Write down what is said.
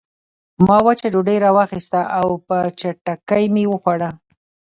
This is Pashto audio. ما وچه ډوډۍ راواخیسته او په چټکۍ مې وخوړه